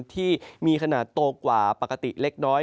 ที่มีขนาดโตกว่าปกติเล็กน้อย